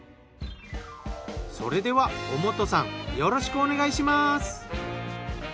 それでは小本さんよろしくお願いします。